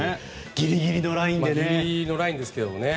ギリギリのラインですけどね。